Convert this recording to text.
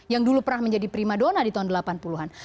yang dulu pernah menjadi prima dona di tahun delapan puluh an